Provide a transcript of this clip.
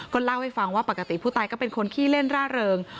เล่าให้ฟังว่าปกติผู้ตายก็เป็นคนขี้เล่นร่าเริง